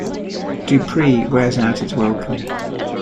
"Dupree" wears out its welcome.